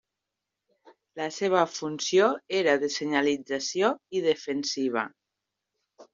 La seva funció era de senyalització i defensiva.